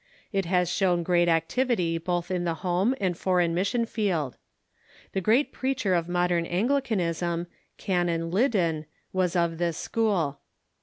It has shown great activity both in the liome and foreign mission field. The greatest preacher of modern Anglicanism, Canon Liddon, was of this school.